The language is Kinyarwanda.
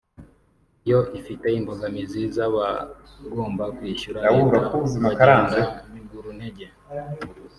yo ifite imbogamizi z’abagomba kwishyura leta bagenda biguru ntege